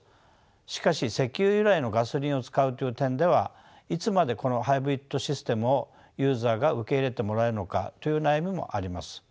しかし石油由来のガソリンを使うという点ではいつまでこのハイブリッドシステムをユーザーが受け入れてもらえるのかという悩みもあります。